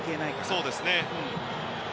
そうですね。